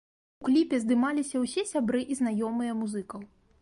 У кліпе здымаліся ўсе сябры і знаёмыя музыкаў.